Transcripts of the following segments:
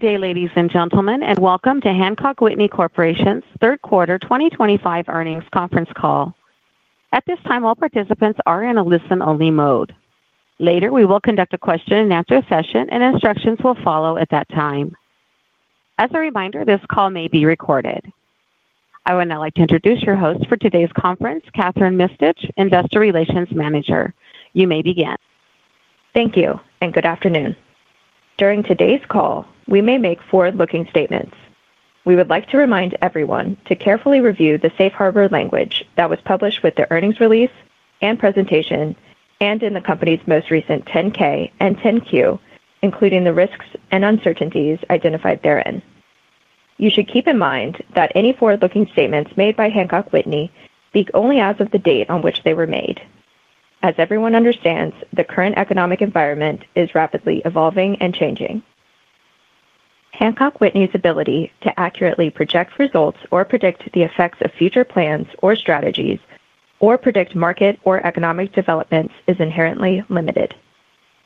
Good day, ladies and gentlemen, and welcome to Hancock Whitney Corporation's third quarter 2025 earnings conference call. At this time, all participants are in a listen-only mode. Later, we will conduct a question and answer session, and instructions will follow at that time. As a reminder, this call may be recorded. I would now like to introduce your host for today's conference, Kathryn Mistich, Investor Relations Manager. You may begin. Thank you, and good afternoon. During today's call, we may make forward-looking statements. We would like to remind everyone to carefully review the safe harbor language that was published with the earnings release and presentation, and in the company's most recent 10-K and 10-Q, including the risks and uncertainties identified therein. You should keep in mind that any forward-looking statements made by Hancock Whitney speak only as of the date on which they were made. As everyone understands, the current economic environment is rapidly evolving and changing. Hancock Whitney's ability to accurately project results or predict the effects of future plans or strategies, or predict market or economic developments, is inherently limited.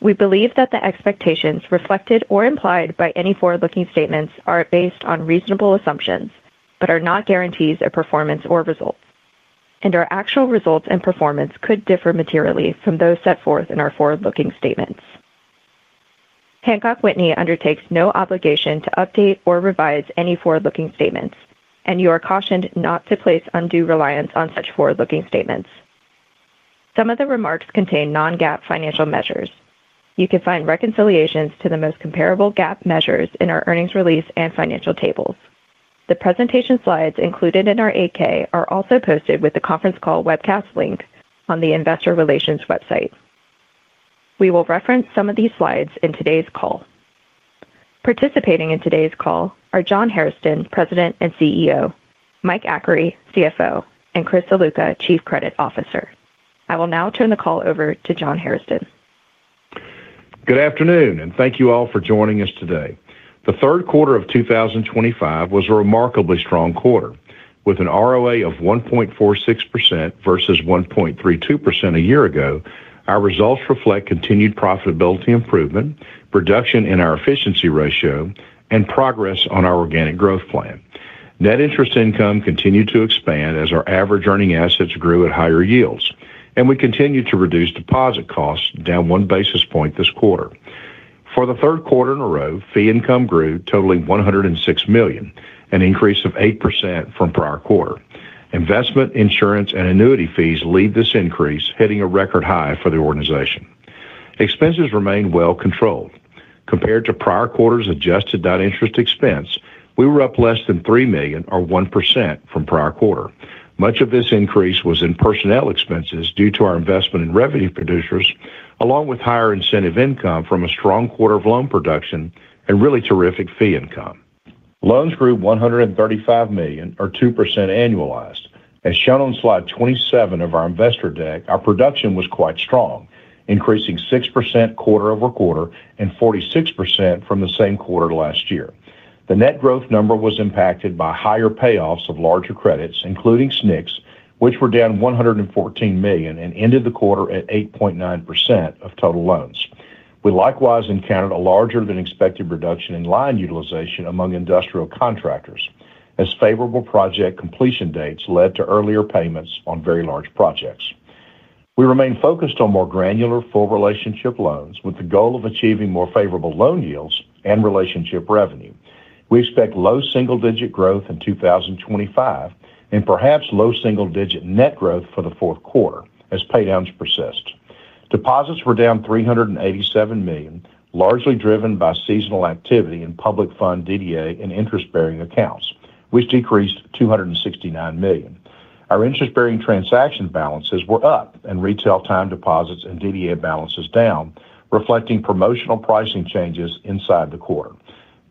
We believe that the expectations reflected or implied by any forward-looking statements are based on reasonable assumptions, but are not guarantees of performance or results, and our actual results and performance could differ materially from those set forth in our forward-looking statements. Hancock Whitney undertakes no obligation to update or revise any forward-looking statements, and you are cautioned not to place undue reliance on such forward-looking statements. Some of the remarks contain non-GAAP financial measures. You can find reconciliations to the most comparable GAAP measures in our earnings release and financial tables. The presentation slides included in our 8-K are also posted with the conference call webcast link on the Investor Relations website. We will reference some of these slides in today's call. Participating in today's call are John Hairston, President and CEO, Mike Achary, CFO, and Chris Ziluca, Chief Credit Officer. I will now turn the call over to John Hairston. Good afternoon, and thank you all for joining us today. The third quarter of 2025 was a remarkably strong quarter. With an ROA of 1.46% versus 1.32% a year ago, our results reflect continued profitability improvement, reduction in our efficiency ratio, and progress on our organic growth plan. Net interest income continued to expand as our average earning assets grew at higher yields, and we continued to reduce deposit costs, down one basis point this quarter. For the third quarter in a row, fee income grew, totaling $106 million, an increase of 8% from prior quarter. Investment, insurance, and annuity fees led this increase, hitting a record high for the organization. Expenses remain well controlled. Compared to prior quarter's adjusted net interest expense, we were up less than $3 million, or 1%, from prior quarter. Much of this increase was in personnel expenses due to our investment in revenue producers, along with higher incentive income from a strong quarter of loan production and really terrific fee income. Loans grew $135 million, or 2% annualized. As shown on slide 27 of our investor deck, our production was quite strong, increasing 6% quarter over quarter and 46% from the same quarter last year. The net growth number was impacted by higher payoffs of larger credits, including SNCS, which were down $114 million and ended the quarter at 8.9% of total loans. We likewise encountered a larger than expected reduction in line utilization among industrial contractors, as favorable project completion dates led to earlier payments on very large projects. We remain focused on more granular full relationship loans with the goal of achieving more favorable loan yields and relationship revenue. We expect low single-digit growth in 2025 and perhaps low single-digit net growth for the fourth quarter as paydowns persist. Deposits were down $387 million, largely driven by seasonal activity in public fund DDA and interest-bearing accounts, which decreased $269 million. Our interest-bearing transaction balances were up and retail time deposits and DDA balances down, reflecting promotional pricing changes inside the quarter.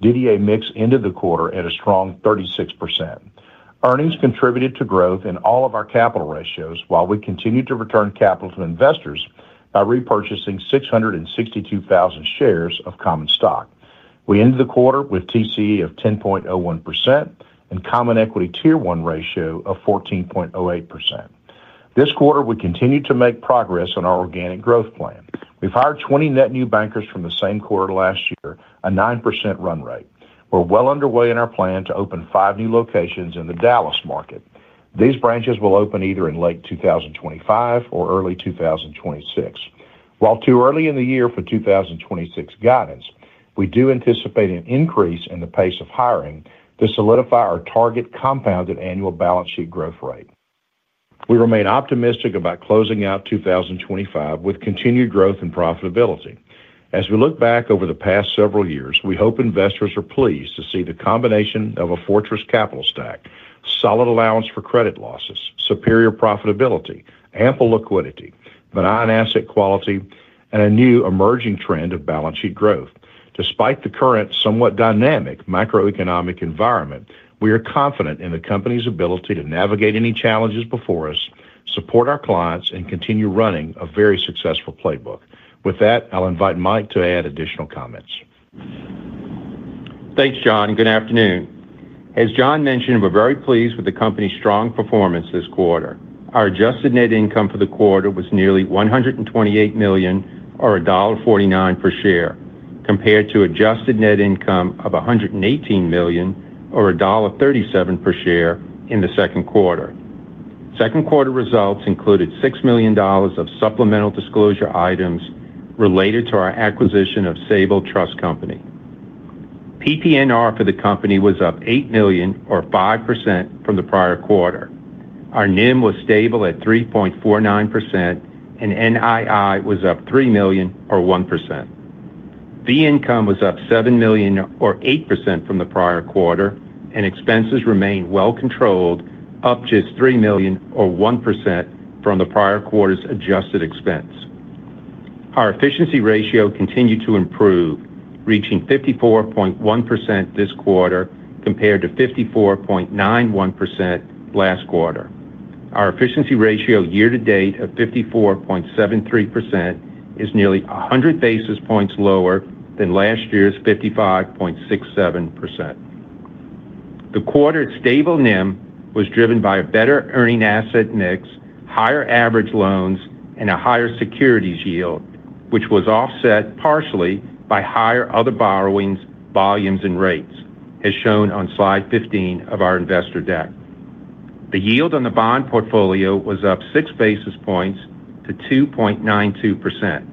DDA mix ended the quarter at a strong 36%. Earnings contributed to growth in all of our capital ratios while we continued to return capital to investors by repurchasing 662,000 shares of common stock. We ended the quarter with TCE of 10.01% and common equity tier one ratio of 14.08%. This quarter, we continue to make progress on our organic growth plan. We've hired 20 net new bankers from the same quarter last year, a 9% run rate. We're well underway in our plan to open five new locations in the Dallas market. These branches will open either in late 2025 or early 2026. While too early in the year for 2026 guidance, we do anticipate an increase in the pace of hiring to solidify our target compounded annual balance sheet growth rate. We remain optimistic about closing out 2025 with continued growth and profitability. As we look back over the past several years, we hope investors are pleased to see the combination of a fortress capital stack, solid allowance for credit losses, superior profitability, ample liquidity, benign asset quality, and a new emerging trend of balance sheet growth. Despite the current somewhat dynamic macroeconomic environment, we are confident in the company's ability to navigate any challenges before us, support our clients, and continue running a very successful playbook. With that, I'll invite Mike to add additional comments. Thanks, John. Good afternoon. As John mentioned, we're very pleased with the company's strong performance this quarter. Our adjusted net income for the quarter was nearly $128 million, or $1.49 per share, compared to adjusted net income of $118 million, or $1.37 per share in the second quarter. Second quarter results included $6 million of supplemental disclosure items related to our acquisition of Sable Trust Company. PPNR for the company was up $8 million, or 5% from the prior quarter. Our NIM was stable at 3.49%, and NII was up $3 million, or 1%. Fee income was up $7 million, or 8% from the prior quarter, and expenses remain well controlled, up just $3 million, or 1% from the prior quarter's adjusted expense. Our efficiency ratio continued to improve, reaching 54.1% this quarter compared to 54.91% last quarter. Our efficiency ratio year to date of 54.73% is nearly 100 basis points lower than last year's 55.67%. The quarter's stable NIM was driven by a better earning asset mix, higher average loans, and a higher securities yield, which was offset partially by higher other borrowings, volumes, and rates, as shown on slide 15 of our investor deck. The yield on the bond portfolio was up 6 basis points to 2.92%.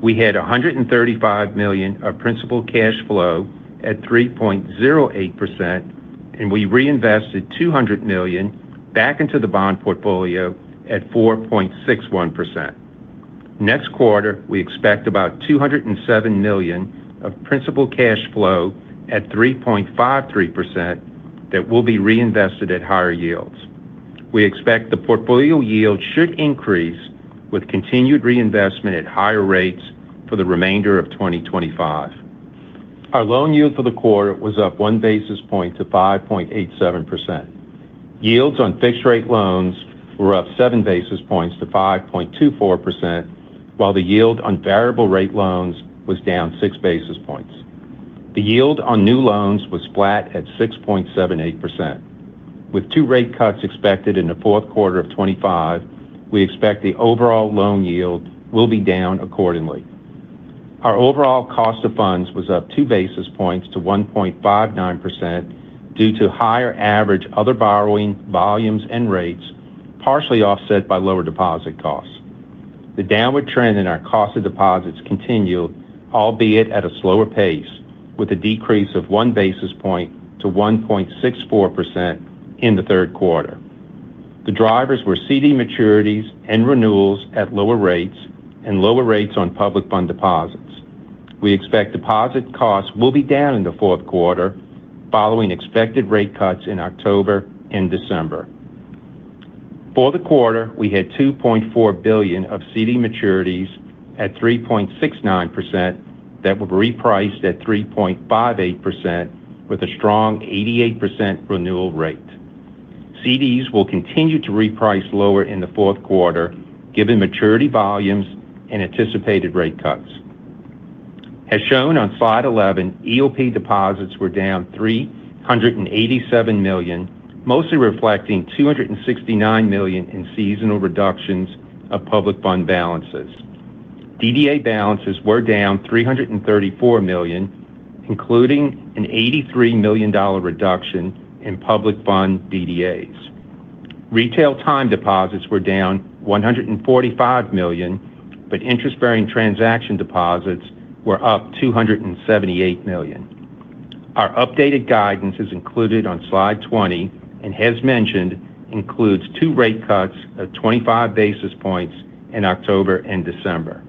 We had $135 million of principal cash flow at 3.08%, and we reinvested $200 million back into the bond portfolio at 4.61%. Next quarter, we expect about $207 million of principal cash flow at 3.53% that will be reinvested at higher yields. We expect the portfolio yield should increase with continued reinvestment at higher rates for the remainder of 2025. Our loan yield for the quarter was up 1 basis point to 5.87%. Yields on fixed-rate loans were up 7 basis points to 5.24%, while the yield on variable-rate loans was down 6 basis points. The yield on new loans was flat at 6.78%. With two rate cuts expected in the fourth quarter of 2025, we expect the overall loan yield will be down accordingly. Our overall cost of funds was up 2 basis points to 1.59% due to higher average other borrowing volumes and rates, partially offset by lower deposit costs. The downward trend in our cost of deposits continued, albeit at a slower pace, with a decrease of 1 basis point to 1.64% in the third quarter. The drivers were CD maturities and renewals at lower rates and lower rates on public fund deposits. We expect deposit costs will be down in the fourth quarter following expected rate cuts in October and December. For the quarter, we had $2.4 billion of CD maturities at 3.69% that were repriced at 3.58% with a strong 88% renewal rate. CDs will continue to reprice lower in the fourth quarter, given maturity volumes and anticipated rate cuts. As shown on slide 11, EOP deposits were down $387 million, mostly reflecting $269 million in seasonal reductions of public fund balances. DDA balances were down $334 million, including an $83 million reduction in public fund DDAs. Retail time deposits were down $145 million, but interest-bearing transaction deposits were up $278 million. Our updated guidance is included on slide 20 and, as mentioned, includes two rate cuts of 25 basis points in October and December.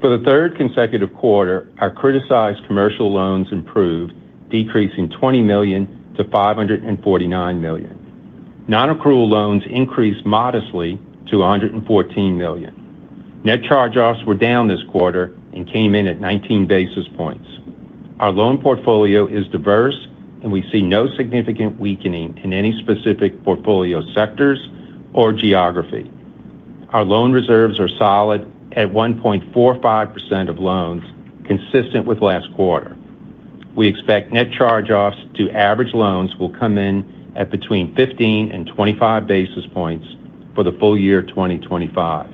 For the third consecutive quarter, our criticized commercial loans improved, decreasing $20 million to $549 million. Non-accrual loans increased modestly to $114 million. Net charge-offs were down this quarter and came in at 19 basis points. Our loan portfolio is diverse, and we see no significant weakening in any specific portfolio sectors or geography. Our loan reserves are solid at 1.45% of loans, consistent with last quarter. We expect net charge-offs to average loans will come in at between 15 and 25 basis points for the full year 2025.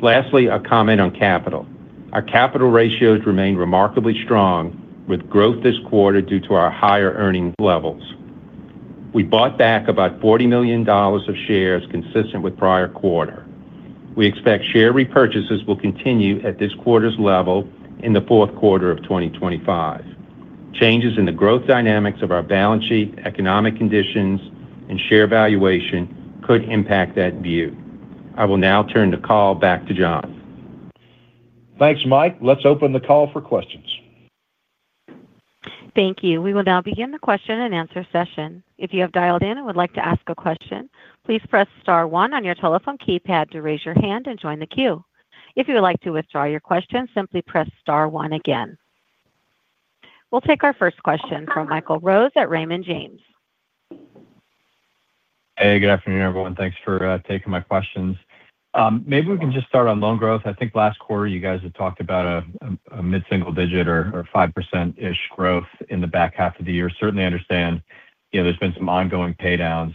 Lastly, a comment on capital. Our capital ratios remain remarkably strong with growth this quarter due to our higher earnings levels. We bought back about $40 million of shares, consistent with prior quarter. We expect share repurchases will continue at this quarter's level in the fourth quarter of 2025. Changes in the growth dynamics of our balance sheet, economic conditions, and share valuation could impact that view. I will now turn the call back to John. Thanks, Mike. Let's open the call for questions. Thank you. We will now begin the question and answer session. If you have dialed in and would like to ask a question, please press star one on your telephone keypad to raise your hand and join the queue. If you would like to withdraw your question, simply press star one again. We'll take our first question from Michael Rose at Raymond James. Hey, good afternoon, everyone. Thanks for taking my questions. Maybe we can just start on loan growth. I think last quarter you guys had talked about a mid-single digit or 5% growth in the back half of the year. Certainly understand there's been some ongoing paydowns.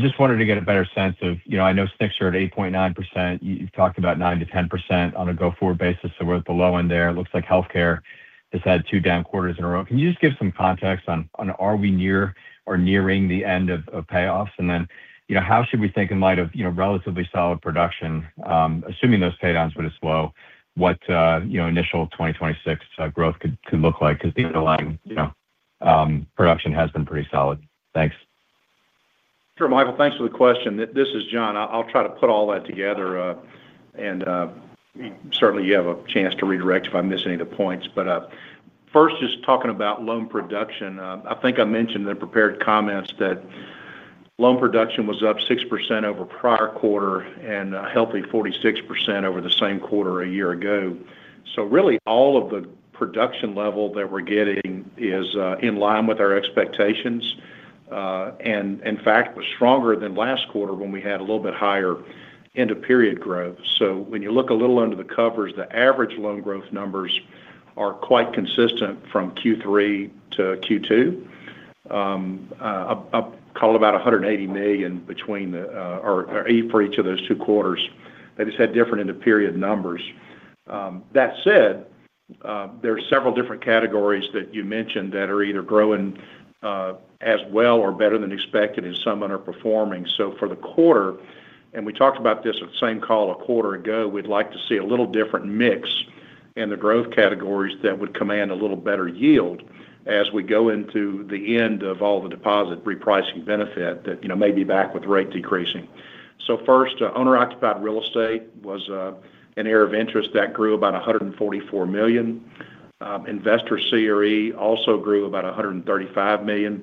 Just wanted to get a better sense of, I know SNCS are at 8.9%. You've talked about 9%-10% on a go-forward basis. We're at the low end there. It looks like healthcare has had two down quarters in a row. Can you just give some context on, are we near or nearing the end of payoffs? How should we think in light of relatively solid production, assuming those paydowns would have slowed, what initial 2026 growth could look like? The underlying production has been pretty solid. Thanks. Sure, Michael, thanks for the question. This is John. I'll try to put all that together. Certainly you have a chance to redirect if I miss any of the points. First, just talking about loan production. I think I mentioned in the prepared comments that loan production was up 6% over prior quarter and a healthy 46% over the same quarter a year ago. Really, all of the production level that we're getting is in line with our expectations. In fact, it was stronger than last quarter when we had a little bit higher end-of-period growth. When you look a little under the covers, the average loan growth numbers are quite consistent from Q3-Q2. I'll call it about $180 million for each of those two quarters. They just had different end-of-period numbers. That said, there are several different categories that you mentioned that are either growing as well or better than expected, and some underperforming. For the quarter, and we talked about this at the same call a quarter ago, we'd like to see a little different mix in the growth categories that would command a little better yield as we go into the end of all the deposit repricing benefit that, you know, may be back with rate decreasing. First, owner-occupied real estate was an area of interest that grew about $144 million. Investor CRE also grew about $135 million.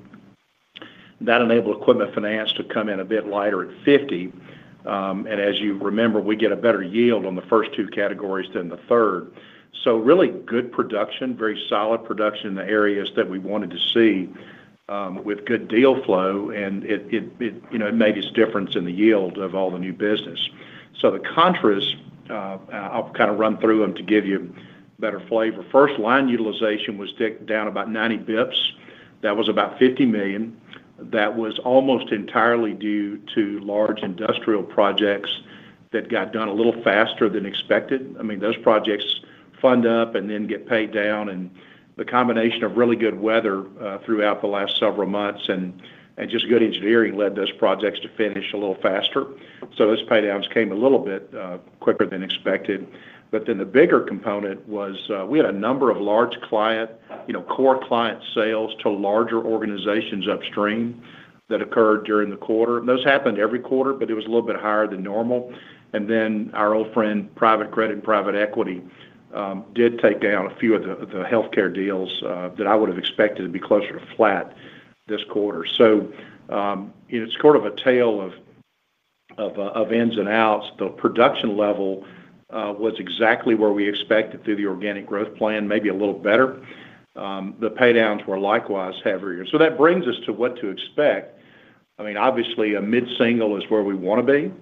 That enabled equipment finance to come in a bit lighter at $50 million. As you remember, we get a better yield on the first two categories than the third. Really good production, very solid production in the areas that we wanted to see with good deal flow. It made its difference in the yield of all the new business. The contrast, I'll kind of run through them to give you better flavor. First, line utilization was down about 90 basis points. That was about $50 million. That was almost entirely due to large industrial projects that got done a little faster than expected. I mean, those projects fund up and then get paid down. The combination of really good weather throughout the last several months and just good engineering led those projects to finish a little faster. Those paydowns came a little bit quicker than expected. The bigger component was we had a number of large client, you know, core client sales to larger organizations upstream that occurred during the quarter. Those happened every quarter, but it was a little bit higher than normal. Our old friend, private credit and private equity, did take down a few of the healthcare deals that I would have expected to be closer to flat this quarter. It's sort of a tale of ins and outs. The production level was exactly where we expected through the organic growth plan, maybe a little better. The paydowns were likewise heavier. That brings us to what to expect. Obviously, a mid-single is where we want to be.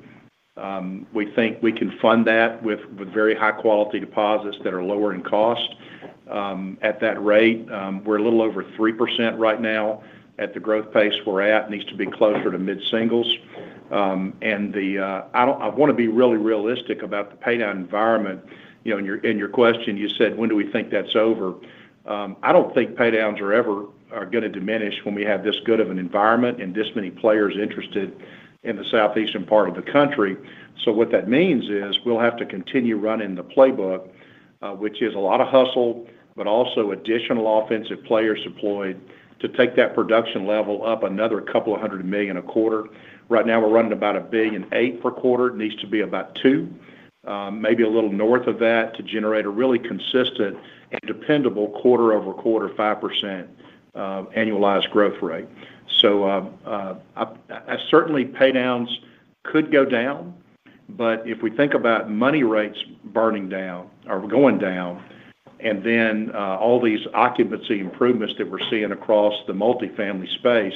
We think we can fund that with very high-quality deposits that are lower in cost. At that rate, we're a little over 3% right now at the growth pace we're at. It needs to be closer to mid-singles. I want to be really realistic about the paydown environment. In your question, you said, when do we think that's over? I don't think paydowns are ever going to diminish when we have this good of an environment and this many players interested in the southeastern part of the country. That means we'll have to continue running the playbook, which is a lot of hustle, but also additional offensive players deployed to take that production level up another couple of hundred million a quarter. Right now, we're running about $1.8 billion per quarter. It needs to be about $2 billion, maybe a little north of that to generate a really consistent and dependable quarter-over-quarter, 5% annualized growth rate. I certainly think paydowns could go down, but if we think about money rates burning down or going down, and then all these occupancy improvements that we're seeing across the multifamily space,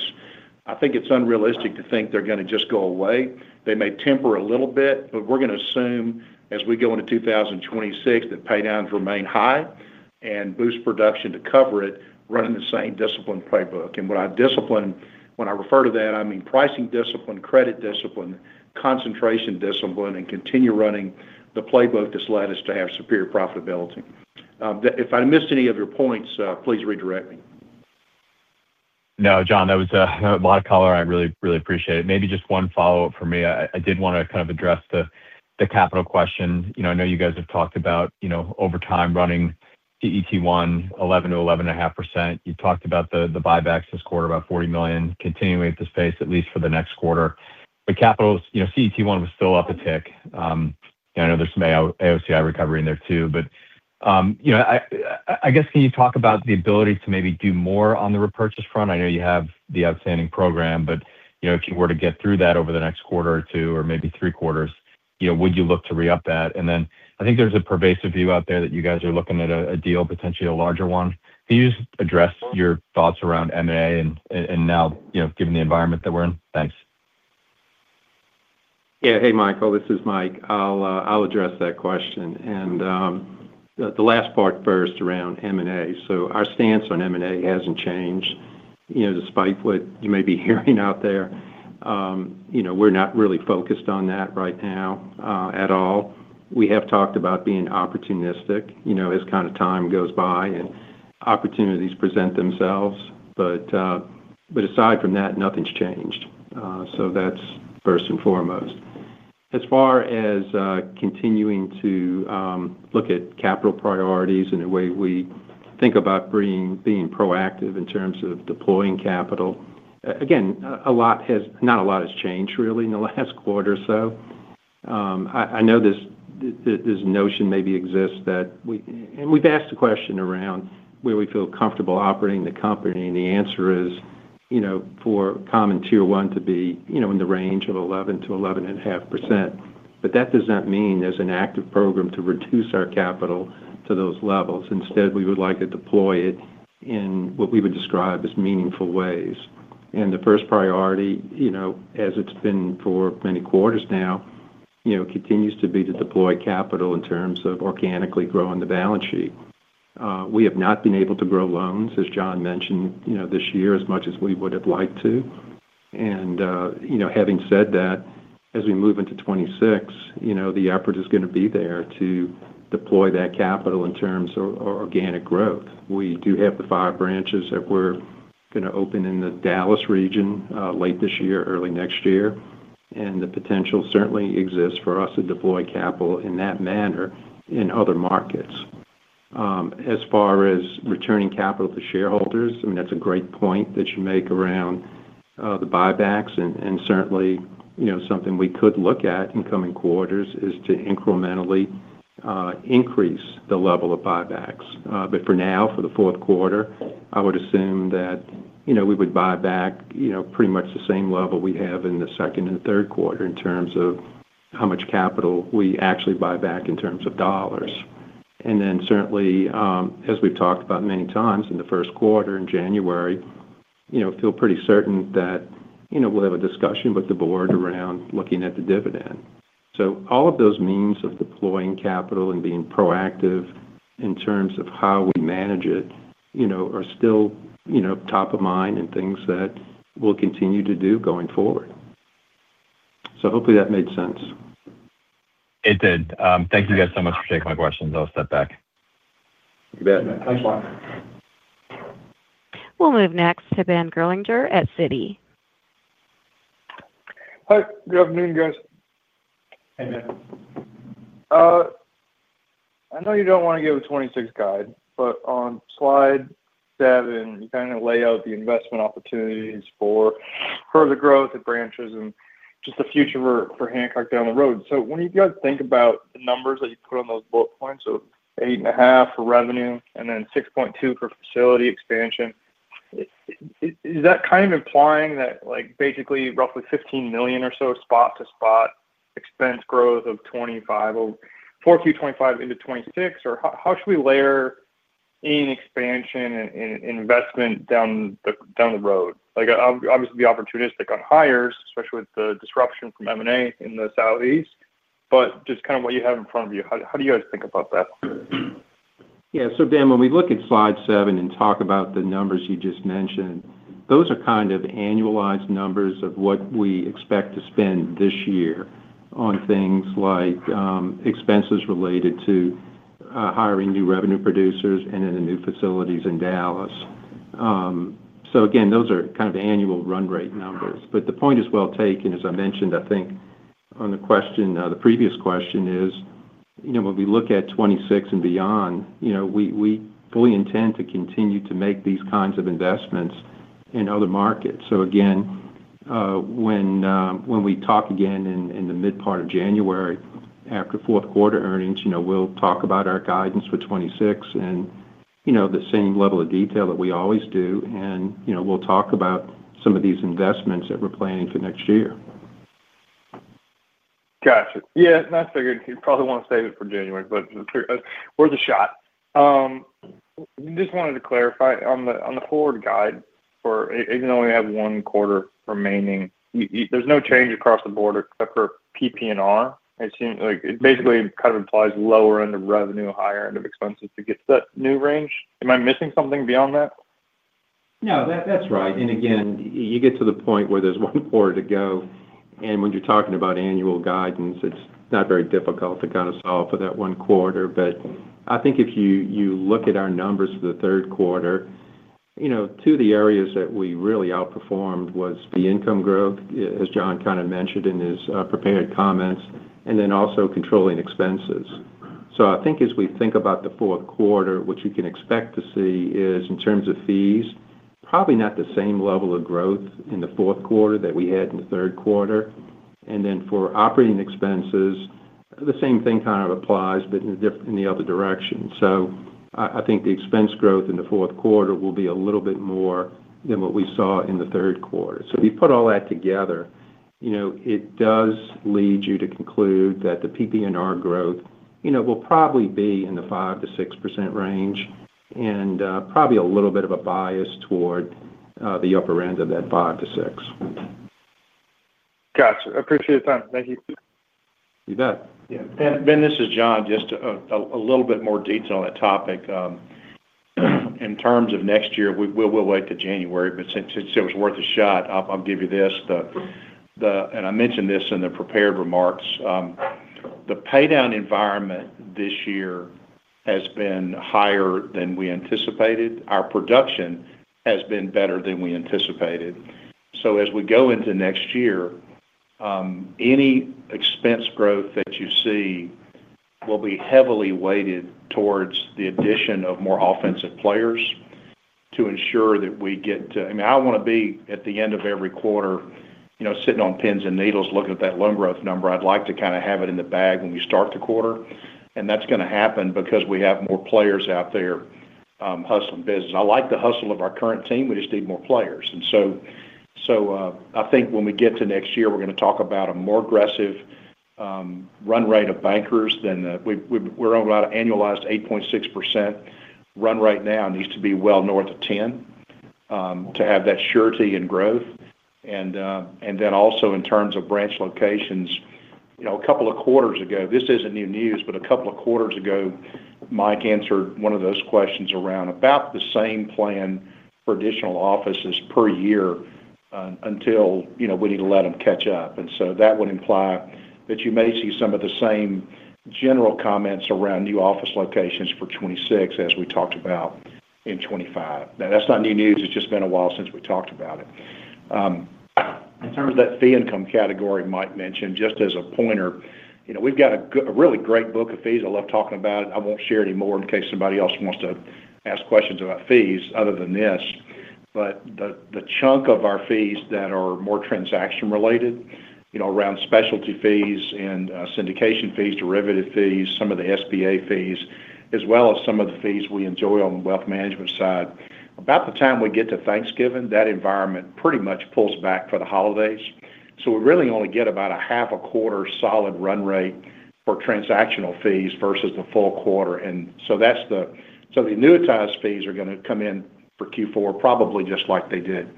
I think it's unrealistic to think they're going to just go away. They may temper a little bit, but we're going to assume as we go into 2026 that paydowns remain high and boost production to cover it, running the same discipline playbook. When I refer to that, I mean pricing discipline, credit discipline, concentration discipline, and continue running the playbook that's led us to have superior profitability. If I missed any of your points, please redirect me. No, John, that was a lot of color. I really, really appreciate it. Maybe just one follow-up for me. I did want to kind of address the capital question. I know you guys have talked about, over time, running CET1 11%-11.5%. You've talked about the buybacks this quarter, about $40 million, continuing at this pace at least for the next quarter. Capital, CET1 was still up a tick. I know there's some AOCI recovery in there too. I guess can you talk about the ability to maybe do more on the repurchase front? I know you have the outstanding program, but if you were to get through that over the next quarter or two or maybe three quarters, would you look to re-up that? I think there's a pervasive view out there that you guys are looking at a deal, potentially a larger one. Can you just address your thoughts around M&A and now, given the environment that we're in? Thanks. Yeah, hey Michael, this is Mike. I'll address that question. The last part first around M&A. Our stance on M&A hasn't changed, you know, despite what you may be hearing out there. We're not really focused on that right now at all. We have talked about being opportunistic, you know, as kind of time goes by and opportunities present themselves. Aside from that, nothing's changed. That's first and foremost. As far as continuing to look at capital priorities and the way we think about being proactive in terms of deploying capital, again, not a lot has changed really in the last quarter or so. I know this notion maybe exists that we, and we've asked the question around where we feel comfortable operating the company, and the answer is, you know, for common tier one to be, you know, in the range of 11%-11.5%. That does not mean there's an active program to reduce our capital to those levels. Instead, we would like to deploy it in what we would describe as meaningful ways. The first priority, you know, as it's been for many quarters now, continues to be to deploy capital in terms of organically growing the balance sheet. We have not been able to grow loans, as John mentioned, you know, this year as much as we would have liked to. Having said that, as we move into 2026, the effort is going to be there to deploy that capital in terms of organic growth. We do have the five branches that we're going to open in the Dallas region late this year, early next year. The potential certainly exists for us to deploy capital in that manner in other markets. As far as returning capital to shareholders, that's a great point that you make around the buybacks. Certainly, something we could look at in coming quarters is to incrementally increase the level of buybacks. For now, for the fourth quarter, I would assume that we would buy back pretty much the same level we have in the second and third quarter in terms of how much capital we actually buy back in terms of dollars. Certainly, as we've talked about many times in the first quarter in January, feel pretty certain that we'll have a discussion with the board around looking at the dividend. All of those means of deploying capital and being proactive in terms of how we manage it are still top of mind and things that we'll continue to do going forward. Hopefully that made sense. It did. Thank you guys so much for taking my questions. I'll step back. You bet. Thanks, Mike. We'll move next to Ben Gerlinger at Citi. Hi, good afternoon, guys. Hey, Ben. I know you don't want to give a 2026 guide, but on slide seven, you kind of lay out the investment opportunities for further growth at branches and just the future for Hancock Whitney down the road. When you guys think about the numbers that you put on those bullet points, so $8.5 million for revenue and then $6.2 million for facility expansion, is that kind of implying that basically roughly $15 million or so spot to spot expense growth of $25 million, or 4Q 2025 into 2026, or how should we layer in expansion and investment down the road? I'll obviously be opportunistic on hires, especially with the disruption from M&A in the Southeast, but just kind of what you have in front of you. How do you guys think about that? Yeah, so Ben, when we look at slide seven and talk about the numbers you just mentioned, those are kind of annualized numbers of what we expect to spend this year on things like expenses related to hiring new revenue producers and in the new facilities in Dallas. Those are kind of annual run rate numbers. The point is well taken, as I mentioned, I think on the previous question, when we look at 2026 and beyond, we fully intend to continue to make these kinds of investments in other markets. When we talk again in the mid-part of January after fourth quarter earnings, we'll talk about our guidance for 2026 in the same level of detail that we always do, and we'll talk about some of these investments that we're planning for next year. Gotcha. Yeah, that's good, you probably want to save it for January, but worth a shot. Just wanted to clarify on the forward guide for, even though we only have one quarter remaining, there's no change across the board except for PPNR. It seems like it basically kind of implies lower end of revenue, higher end of expenses to get to that new range. Am I missing something beyond that? No, that's right. You get to the point where there's one quarter to go. When you're talking about annual guidance, it's not very difficult to kind of solve for that one quarter. I think if you look at our numbers for the third quarter, two of the areas that we really outperformed was the income growth, as John kind of mentioned in his prepared comments, and then also controlling expenses. I think as we think about the fourth quarter, what you can expect to see is in terms of fees, probably not the same level of growth in the fourth quarter that we had in the third quarter. For operating expenses, the same thing kind of applies, but in the other direction. I think the expense growth in the fourth quarter will be a little bit more than what we saw in the third quarter. If you put all that together, it does lead you to conclude that the PPNR growth will probably be in the 5%-6% range and probably a little bit of a bias toward the upper end of that 5%-6%. Gotcha. I appreciate the time. Thank you. You bet. Yeah. Ben, this is John. Just a little bit more detail on that topic. In terms of next year, we'll wait till January, but since it was worth a shot, I'll give you this. I mentioned this in the prepared remarks. The paydown environment this year has been higher than we anticipated. Our production has been better than we anticipated. As we go into next year, any expense growth that you see will be heavily weighted towards the addition of more offensive players to ensure that we get to, I mean, I don't want to be at the end of every quarter, you know, sitting on pins and needles looking at that loan growth number. I'd like to kind of have it in the bag when we start the quarter. That's going to happen because we have more players out there, hustling business. I like the hustle of our current team. We just need more players. I think when we get to next year, we're going to talk about a more aggressive run rate of bankers than the, we're on an annualized 8.6% run rate now. It needs to be well north of 10% to have that surety and growth. Also, in terms of branch locations, a couple of quarters ago, this isn't new news, but a couple of quarters ago, Mike answered one of those questions around about the same plan for additional offices per year, until we need to let them catch up. That would imply that you may see some of the same general comments around new office locations for 2026 as we talked about in 2025. That's not new news. It's just been a while since we talked about it. In terms of that fee income category Mike mentioned, just as a pointer, we've got a really great book of fees. I love talking about it. I won't share any more in case somebody else wants to ask questions about fees other than this. The chunk of our fees that are more transaction-related, you know, around specialty fees and syndication fees, derivative fees, some of the SBA fees, as well as some of the fees we enjoy on the wealth management side, about the time we get to Thanksgiving, that environment pretty much pulls back for the holidays. We really only get about a half a quarter solid run rate for transactional fees versus the full quarter. The annuitized fees are going to come in for Q4 probably just like they did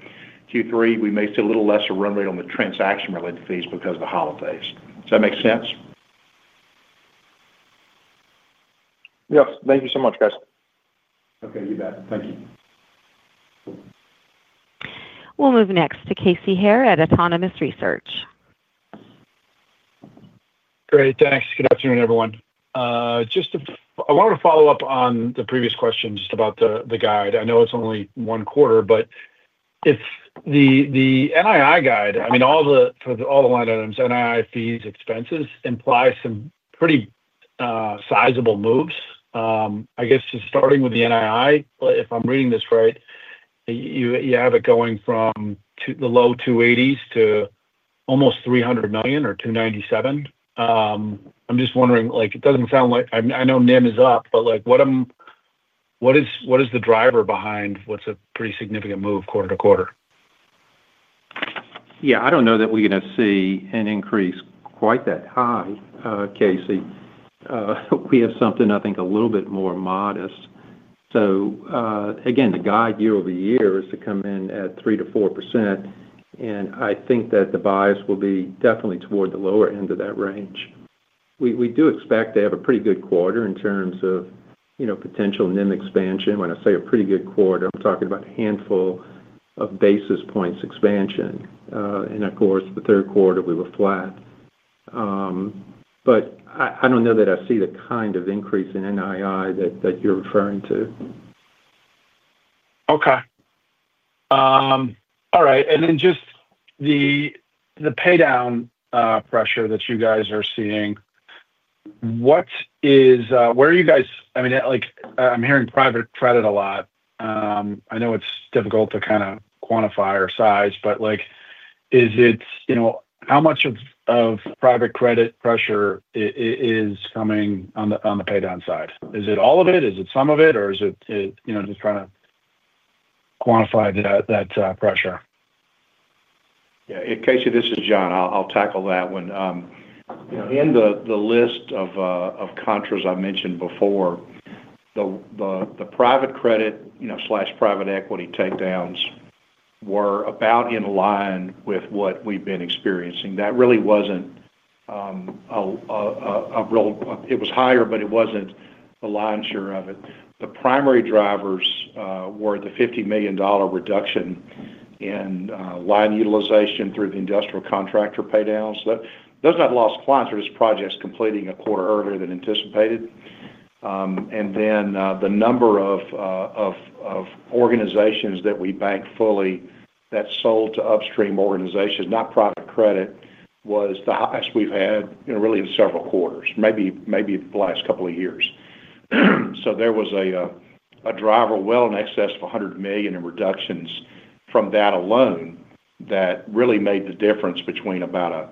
Q3. We may see a little lesser run rate on the transaction-related fees because of the holidays. Does that make sense? Thank you so much, guys. Okay, you bet. Thank you. We'll move next to Casey Haire at Autonomous Research. Great, thanks. Good afternoon, everyone. I wanted to follow up on the previous question just about the guide. I know it's only one quarter, but if the NII guide, I mean, for all the line items, NII, fees, expenses imply some pretty sizable moves. I guess just starting with the NII, if I'm reading this right, you have it going from the low $280 million to almost $300 million or $297 million. I'm just wondering, like it doesn't sound like I know NIM is up, but what is the driver behind what's a pretty significant move quarter to quarter? Yeah, I don't know that we're going to see an increase quite that high, Casey. We have something I think a little bit more modest. The guide year-over-year is to come in at 3%-4%. I think that the bias will be definitely toward the lower end of that range. We do expect to have a pretty good quarter in terms of, you know, potential NIM expansion. When I say a pretty good quarter, I'm talking about a handful of basis points expansion. Of course, the third quarter we were flat. I don't know that I see the kind of increase in NII that you're referring to. All right. The paydown pressure that you guys are seeing, where are you guys, I mean, I'm hearing private credit a lot. I know it's difficult to kind of quantify or size, but is it, you know, how much of private credit pressure is coming on the paydown side? Is it all of it? Is it some of it, or is it, you know, just trying to quantify that pressure? Yeah, Casey, this is John. I'll tackle that one. You know, in the list of contras I mentioned before, the private credit, private equity takedowns were about in line with what we've been experiencing. That really wasn't a real, it was higher, but it wasn't the lion's share of it. The primary drivers were the $50 million reduction in line utilization through the industrial contractor paydowns. Those are not lost clients. They're just projects completing a quarter earlier than anticipated. The number of organizations that we bank fully that sold to upstream organizations, not private credit, was the highest we've had in several quarters, maybe the last couple of years. There was a driver well in excess of $100 million in reductions from that alone that really made the difference between about a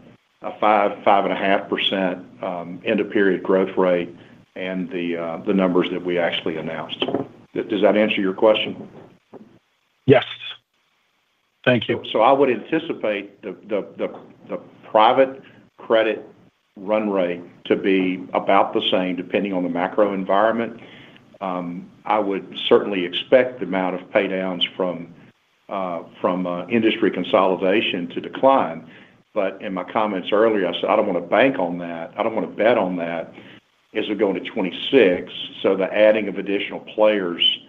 5%, 5.5% end-of-period growth rate and the numbers that we actually announced. Does that answer your question? Yes, thank you. I would anticipate the private credit run rate to be about the same depending on the macro environment. I would certainly expect the amount of paydowns from industry consolidation to decline. In my comments earlier, I said I don't want to bank on that. I don't want to bet on that as we go into 2026. The adding of additional players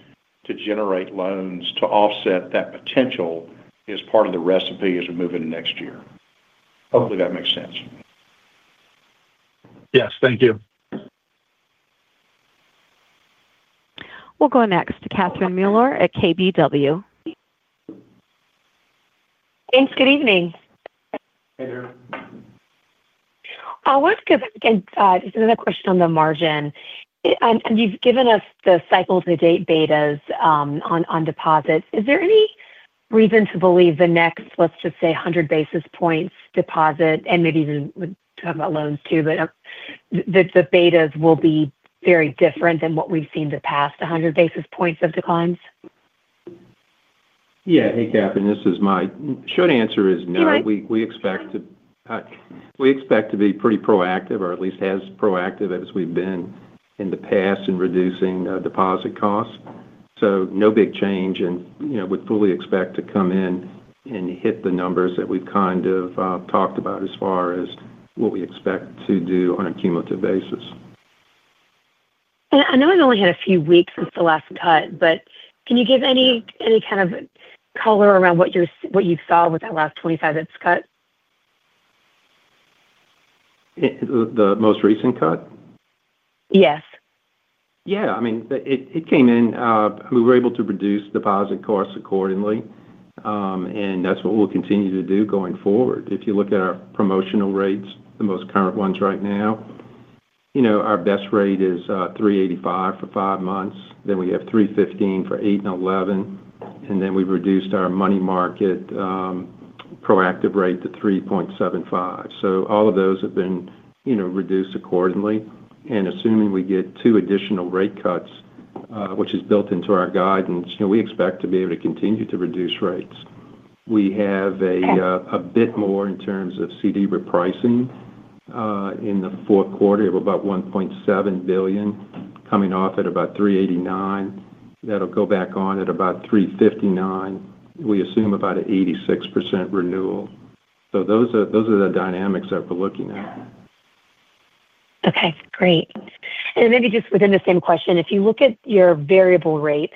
to generate loans to offset that potential is part of the recipe as we move into next year. Hopefully, that makes sense. Yes, thank you. We'll go next to Catherine Mealor at KBW. Thanks. Good evening. Hey there. I want to give another question on the margin. You've given us the cycle-to-date betas on deposits. Is there any reason to believe the next, let's just say, 100 basis points deposit, and maybe even we'll talk about loans too, but the betas will be very different than what we've seen in the past 100 basis points of declines? Yeah. Hey, Catherine, this is Mike. Short answer is no. We expect to be pretty proactive, or at least as proactive as we've been in the past in reducing deposit costs. No big change, and you know, we'd fully expect to come in and hit the numbers that we've kind of talked about as far as what we expect to do on a cumulative basis. I know we've only had a few weeks since the last cut, but can you give any kind of color around what you saw with that last 25 basis points cut? The most recent cut? Yes. Yeah, I mean, it came in. We were able to reduce deposit costs accordingly, and that's what we'll continue to do going forward. If you look at our promotional rates, the most current ones right now, you know, our best rate is 3.85% for five months. We have 3.15% for eight and 11. We have reduced our money market proactive rate to 3.75%. All of those have been reduced accordingly. Assuming we get two additional rate cuts, which is built into our guidance, we expect to be able to continue to reduce rates. We have a bit more in terms of CD repricing in the fourth quarter of about $1.7 billion coming off at about 3.89%. That'll go back on at about 3.59%. We assume about an 86% renewal. Those are the dynamics that we're looking at. Okay, great. Maybe just within the same question, if you look at your variable rates,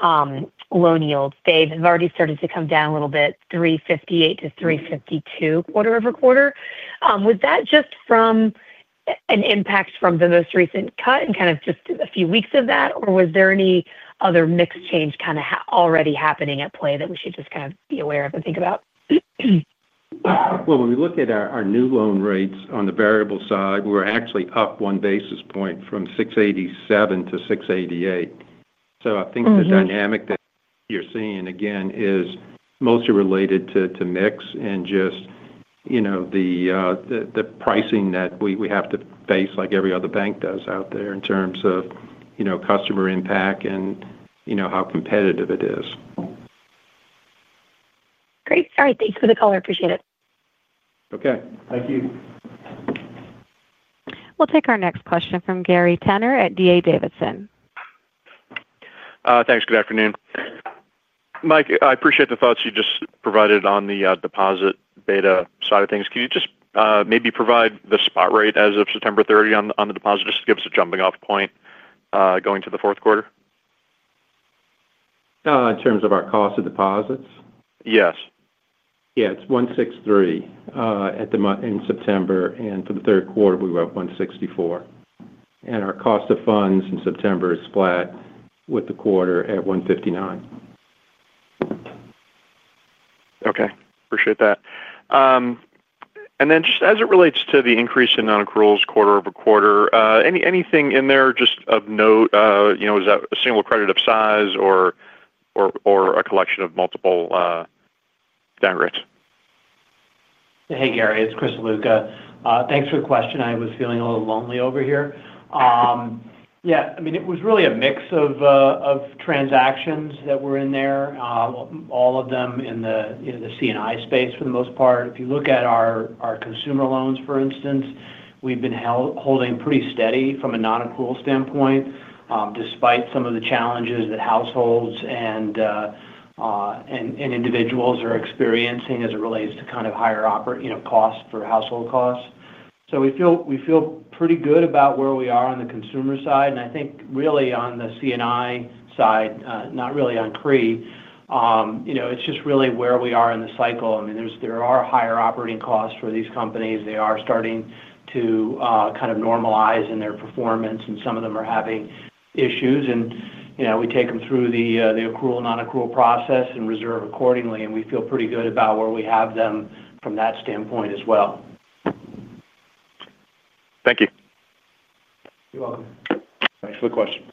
loan yields, they've already started to come down a little bit, 3.58%-3.52% quarter-over-quarter. Was that just from an impact from the most recent cut and kind of just a few weeks of that, or was there any other mix change kind of already happening at play that we should just kind of be aware of and think about? When we look at our new loan rates on the variable side, we're actually up one basis point from 6.87%-6.88%. I think the dynamic that you're seeing, again, is mostly related to mix and just the pricing that we have to face like every other bank does out there in terms of customer impact and how competitive it is. Great. All right. Thanks for the call. I appreciate it. Okay, thank you. We'll take our next question from Gary Tenner at D.A. Davidson. Thanks. Good afternoon. Mike, I appreciate the thoughts you just provided on the deposit beta side of things. Can you just maybe provide the spot rate as of September 30 on the deposit just to give us a jumping-off point going to the fourth quarter? In terms of our cost of deposits? Yes. Yeah, it's 1.63% at the end of September, and for the third quarter, we were at 1.64%. Our cost of funds in September is flat with the quarter at 1.59%. Okay. Appreciate that. Just as it relates to the increase in non-accruals quarter over quarter, anything in there just of note? You know, is that a single credit of size or a collection of multiple downgrades? Hey, Gary. It's Chris Ziluca. Thanks for the question. I was feeling a little lonely over here. Yeah, I mean, it was really a mix of transactions that were in there, all of them in the CNI space for the most part. If you look at our consumer loans, for instance, we've been holding pretty steady from a non-accrual standpoint, despite some of the challenges that households and individuals are experiencing as it relates to kind of higher costs for household costs. We feel pretty good about where we are on the consumer side. I think really on the CNI side, not really on CRI, you know, it's just really where we are in the cycle. There are higher operating costs for these companies. They are starting to kind of normalize in their performance, and some of them are having issues. You know, we take them through the accrual and non-accrual process and reserve accordingly. We feel pretty good about where we have them from that standpoint as well. Thank you. You're welcome. Thanks for the question.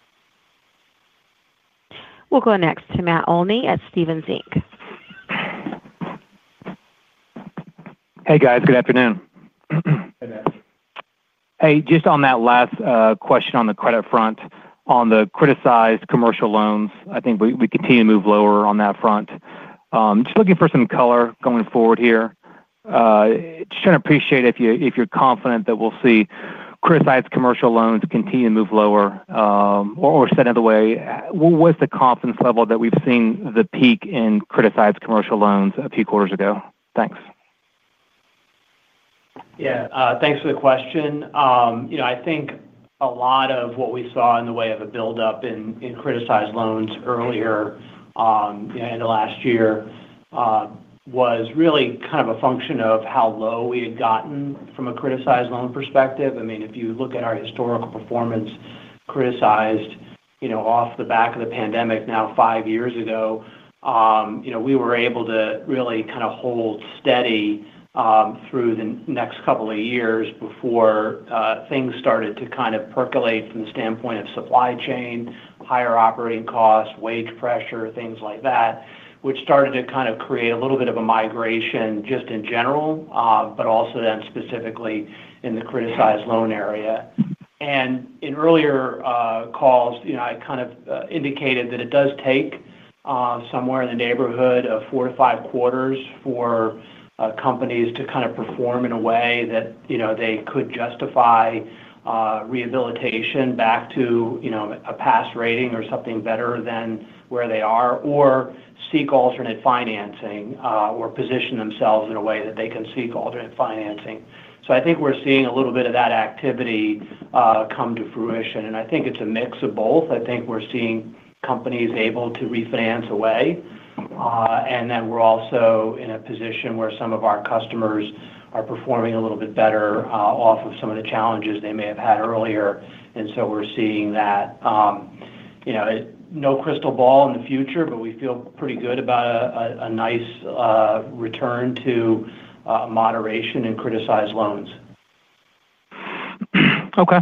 We'll go next to Matt Olney at Stephens, Inc. Hey guys, good afternoon. Hey Matt. Hey, just on that last question on the credit front, on the criticized commercial loans, I think we continue to move lower on that front. Just looking for some color going forward here. Just trying to appreciate if you're confident that we'll see criticized commercial loans continue to move lower, or set another way. What's the confidence level that we've seen the peak in criticized commercial loans a few quarters ago? Thanks. Yeah, thanks for the question. You know, I think a lot of what we saw in the way of a build-up in criticized loans earlier, in the last year, was really kind of a function of how low we had gotten from a criticized loan perspective. I mean, if you look at our historical performance criticized, off the back of the pandemic now five years ago, we were able to really kind of hold steady through the next couple of years before things started to kind of percolate from the standpoint of supply chain, higher operating costs, wage pressure, things like that, which started to kind of create a little bit of a migration just in general, but also then specifically in the criticized loan area. In earlier calls, I kind of indicated that it does take somewhere in the neighborhood of four to five quarters for companies to kind of perform in a way that they could justify rehabilitation back to a past rating or something better than where they are, or seek alternate financing, or position themselves in a way that they can seek alternate financing. I think we're seeing a little bit of that activity come to fruition. I think it's a mix of both. I think we're seeing companies able to refinance away, and then we're also in a position where some of our customers are performing a little bit better off of some of the challenges they may have had earlier. We're seeing that. No crystal ball in the future, but we feel pretty good about a nice return to moderation in criticized loans. Okay.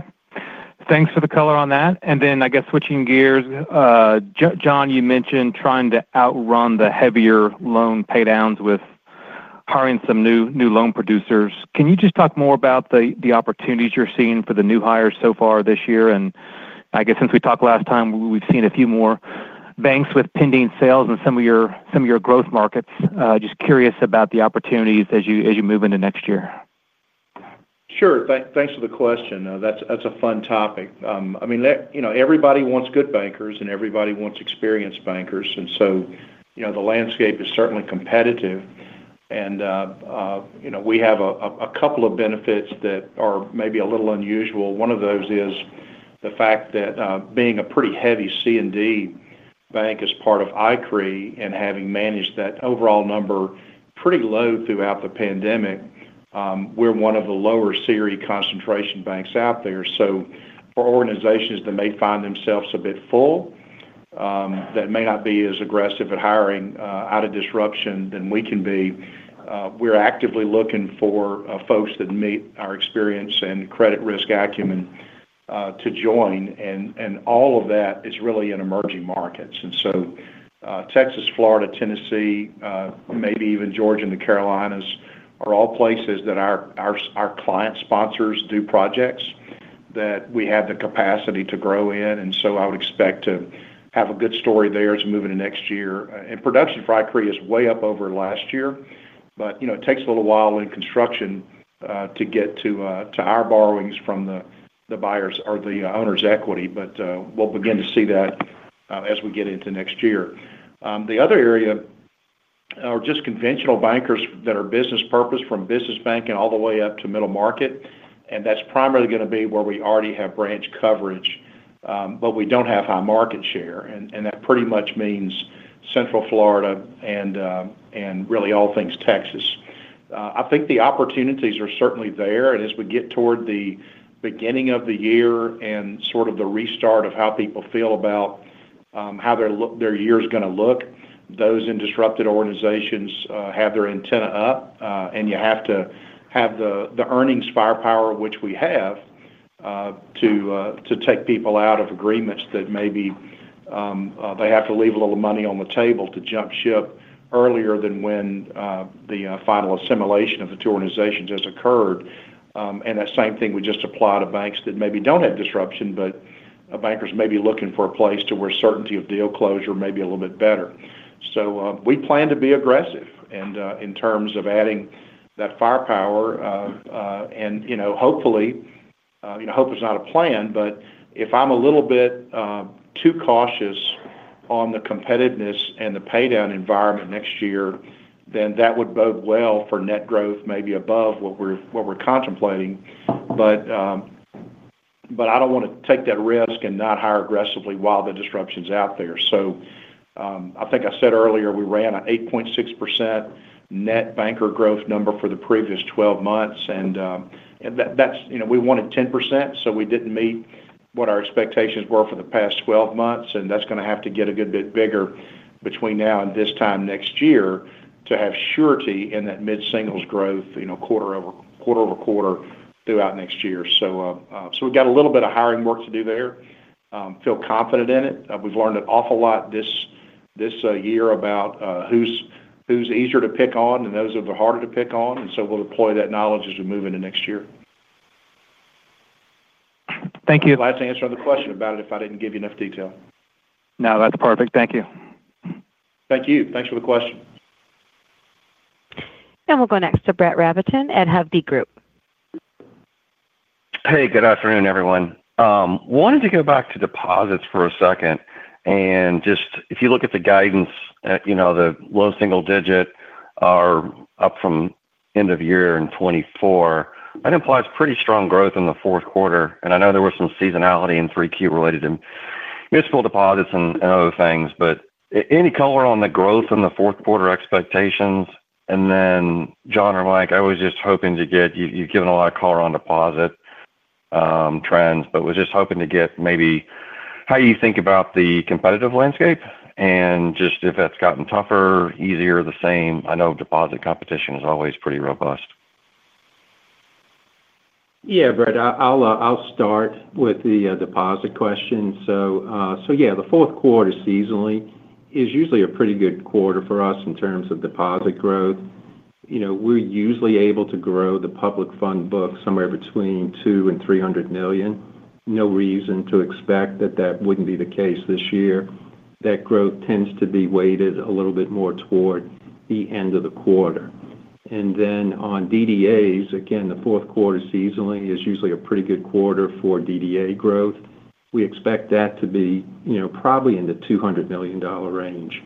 Thanks for the color on that. I guess switching gears, John, you mentioned trying to outrun the heavier loan paydowns with hiring some new loan producers. Can you just talk more about the opportunities you're seeing for the new hires so far this year? I guess since we talked last time, we've seen a few more banks with pending sales in some of your growth markets. Just curious about the opportunities as you move into next year. Sure. Thanks for the question. That's a fun topic. I mean, you know, everybody wants good bankers and everybody wants experienced bankers. The landscape is certainly competitive. We have a couple of benefits that are maybe a little unusual. One of those is the fact that being a pretty heavy C&D bank as part of SNCS and having managed that overall number pretty low throughout the pandemic, we're one of the lower SNCS concentration banks out there. For organizations that may find themselves a bit full, that may not be as aggressive at hiring out of disruption than we can be, we're actively looking for folks that meet our experience and credit risk acumen to join. All of that is really in emerging markets. Texas, Florida, Tennessee, maybe even Georgia and the Carolinas are all places that our client sponsors do projects that we have the capacity to grow in. I would expect to have a good story there as we move into next year. Production for SNCS is way up over last year. It takes a little while in construction to get to our borrowings from the buyers or the owners' equity, but we'll begin to see that as we get into next year. The other area is just conventional bankers that are business purpose from business banking all the way up to middle market, and that's primarily going to be where we already have branch coverage, but we don't have high market share. That pretty much means Central Florida and really all things Texas. I think the opportunities are certainly there. As we get toward the beginning of the year and sort of the restart of how people feel about how their year is going to look, those in disrupted organizations have their antenna up. You have to have the earnings firepower, which we have, to take people out of agreements that maybe they have to leave a little money on the table to jump ship earlier than when the final assimilation of the two organizations has occurred. That same thing would just apply to banks that maybe don't have disruption, but bankers may be looking for a place where certainty of deal closure may be a little bit better. We plan to be aggressive in terms of adding that firepower. Hopefully, hope is not a plan, but if I'm a little bit too cautious on the competitiveness and the paydown environment next year, then that would bode well for net growth maybe above what we're contemplating. I don't want to take that risk and not hire aggressively while the disruption is out there. I think I said earlier, we ran an 8.6% net banker growth number for the previous 12 months, and that's, you know, we wanted 10%. We didn't meet what our expectations were for the past 12 months, and that's going to have to get a good bit bigger between now and this time next year to have surety in that mid-singles growth, quarter over quarter over quarter throughout next year. We've got a little bit of hiring work to do there. I feel confident in it. We've learned an awful lot this year about who's easier to pick on and those that are harder to pick on, and we'll deploy that knowledge as we move into next year. Thank you. Glad to answer another question about it if I didn't give you enough detail. No, that's perfect. Thank you. Thank you. Thanks for the question. We'll go next to Brett Rabatin at Hovde Group. Hey, good afternoon, everyone. I wanted to go back to deposits for a second. If you look at the guidance, you know, the low single digit are up from end of year in 2024. That implies pretty strong growth in the fourth quarter. I know there was some seasonality in 3Q related to municipal deposits and other things, but any color on the growth in the fourth quarter expectations? John or Mike, I was just hoping to get, you've given a lot of color on deposit trends, but was just hoping to get maybe how you think about the competitive landscape and just if that's gotten tougher, easier, the same. I know deposit competition is always pretty robust. Yeah, Brett, I'll start with the deposit question. The fourth quarter seasonally is usually a pretty good quarter for us in terms of deposit growth. We're usually able to grow the public fund book somewhere between $200 million and $300 million. No reason to expect that that wouldn't be the case this year. That growth tends to be weighted a little bit more toward the end of the quarter. On DDAs, again, the fourth quarter seasonally is usually a pretty good quarter for DDA growth. We expect that to be probably in the $200 million range.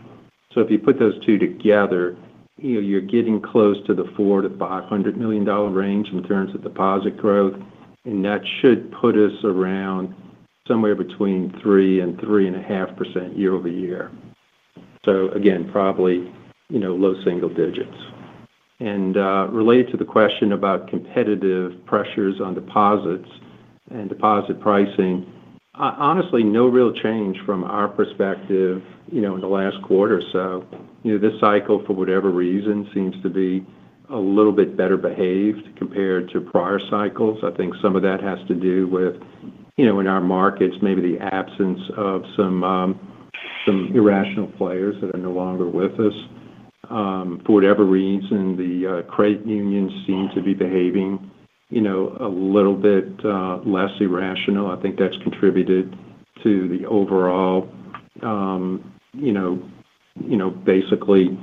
If you put those two together, you're getting close to the $400 million-$500 million range in terms of deposit growth. That should put us around somewhere between 3% and 3.5% year-over-year. Again, probably low single digits. Related to the question about competitive pressures on deposits and deposit pricing, honestly, no real change from our perspective in the last quarter. This cycle, for whatever reason, seems to be a little bit better behaved compared to prior cycles. I think some of that has to do with, in our markets, maybe the absence of some irrational players that are no longer with us. For whatever reason, the credit unions seem to be behaving a little bit less irrational. I think that's contributed to the overall basically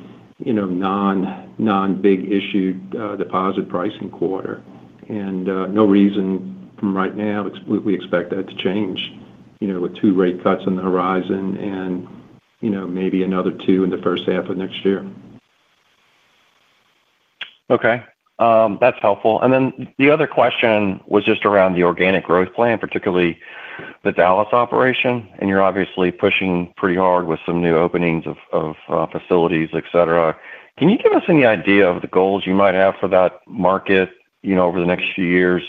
non-big issue deposit pricing quarter. No reason from right now we expect that to change with two rate cuts on the horizon and maybe another two in the first half of next year. Okay, that's helpful. The other question was just around the organic growth plan, particularly the Dallas operation. You're obviously pushing pretty hard with some new openings of facilities, etc. Can you give us any idea of the goals you might have for that market over the next few years?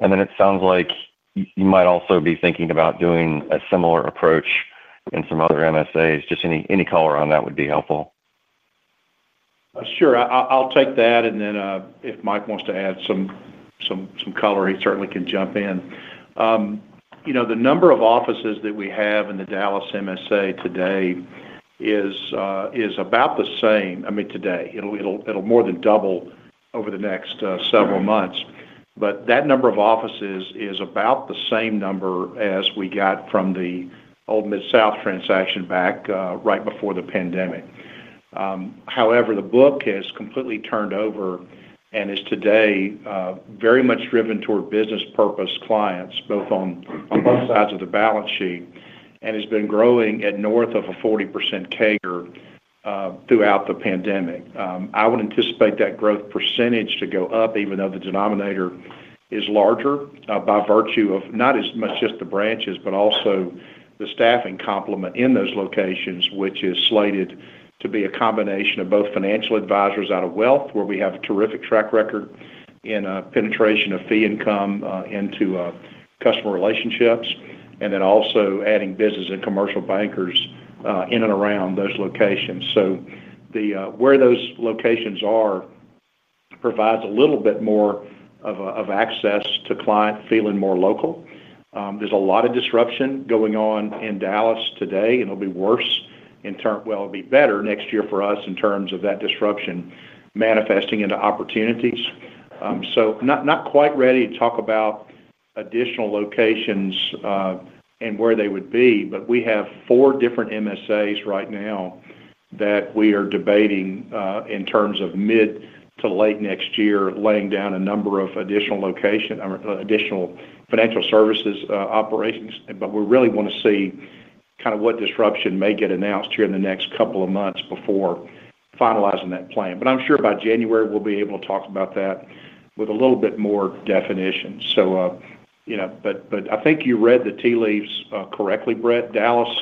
It sounds like you might also be thinking about doing a similar approach in some other MSAs. Any color on that would be helpful. Sure. I'll take that. If Mike wants to add some color, he certainly can jump in. The number of offices that we have in the Dallas MSA today is about the same. Today, it'll more than double over the next several months. That number of offices is about the same number as we got from the old Mid-South transaction back, right before the pandemic. However, the book has completely turned over and is today very much driven toward business purpose clients, on both sides of the balance sheet, and has been growing at north of a 40% CAGR throughout the pandemic. I would anticipate that growth percentage to go up, even though the denominator is larger, by virtue of not as much just the branches, but also the staffing complement in those locations, which is slated to be a combination of both financial advisors out of wealth, where we have a terrific track record in penetration of fee income into customer relationships, and also adding business and commercial bankers in and around those locations. Where those locations are provides a little bit more access to clients feeling more local. There's a lot of disruption going on in Dallas today, and it'll be better next year for us in terms of that disruption manifesting into opportunities. Not quite ready to talk about additional locations and where they would be, but we have four different MSAs right now that we are debating in terms of mid to late next year, laying down a number of additional locations, additional financial services operations. We really want to see what disruption may get announced here in the next couple of months before finalizing that plan. I'm sure by January, we'll be able to talk about that with a little bit more definition. I think you read the tea leaves correctly, Brett. Dallas,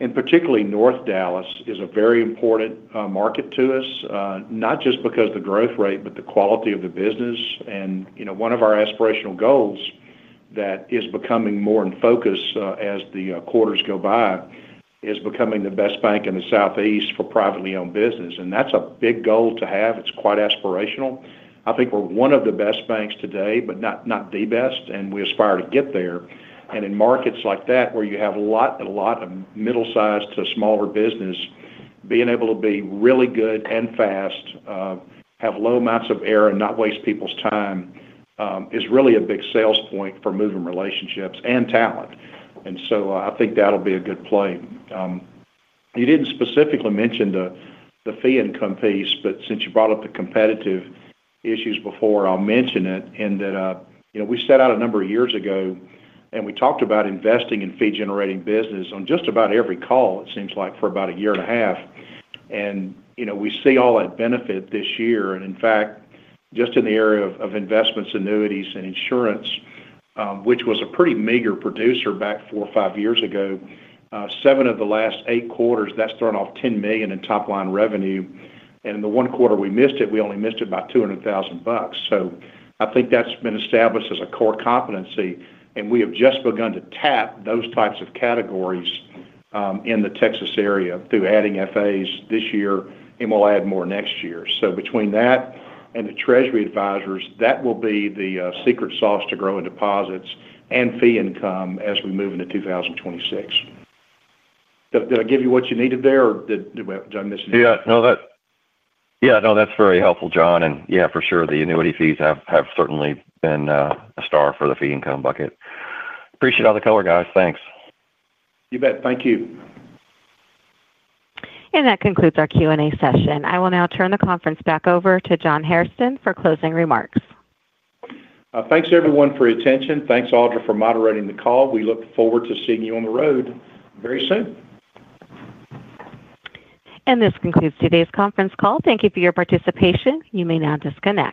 and particularly North Dallas, is a very important market to us, not just because of the growth rate, but the quality of the business. One of our aspirational goals that is becoming more in focus as the quarters go by is becoming the best bank in the Southeast for privately owned business. That's a big goal to have. It's quite aspirational. I think we're one of the best banks today, but not the best, and we aspire to get there. In markets like that, where you have a lot, a lot of middle-sized to smaller business, being able to be really good and fast, have low amounts of error and not waste people's time is really a big sales point for moving relationships and talent. I think that'll be a good play. You didn't specifically mention the fee income piece, but since you brought up the competitive issues before, I'll mention it in that, you know, we set out a number of years ago, and we talked about investing in fee-generating business on just about every call, it seems like, for about a year and a half. We see all that benefit this year. In fact, just in the area of investments, annuities, and insurance, which was a pretty meager producer back four or five years ago, seven of the last eight quarters, that's thrown off $10 million in top-line revenue. In the one quarter we missed it, we only missed it by $200,000. I think that's been established as a core competency. We have just begun to tap those types of categories in the Texas area through adding FAs this year, and we'll add more next year. Between that and the treasury advisors, that will be the secret sauce to growing deposits and fee income as we move into 2026. Did I give you what you needed there, or did I miss anything? Yeah, no, that's very helpful, John. The annuity fees have certainly been a star for the fee income bucket. Appreciate all the color, guys. Thanks. You bet. Thank you. That concludes our Q&A session. I will now turn the conference back over to John Hairston for closing remarks. Thanks, everyone, for your attention. Thanks, Audra, for moderating the call. We look forward to seeing you on the road very soon. This concludes today's conference call. Thank you for your participation. You may now disconnect.